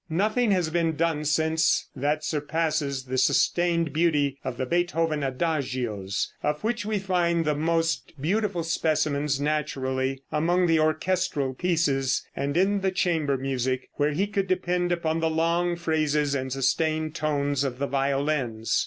Nothing has been done since that surpasses the sustained beauty of the Beethoven adagios, of which we find the most beautiful specimens naturally among the orchestral pieces and in the chamber music, where he could depend upon the long phrases and sustained tones of the violins.